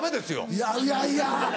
いやいやいや。